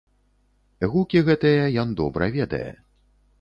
Гукі гэтыя ён добра ведае!